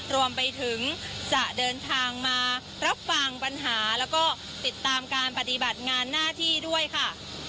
รวมไปถึงจะเดินทางมารับฟังปัญหาแล้วก็ติดตามการปฏิบัติงานหน้าที่ด้วยค่ะ